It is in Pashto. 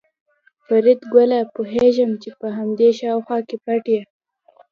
فریدګله پوهېږم چې په همدې شاوخوا کې پټ یې